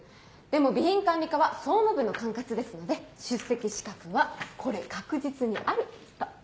でも備品管理課は総務部の管轄ですので出席資格はこれ確実にあると。